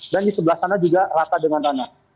dan di sebelah sana juga rata dengan tanah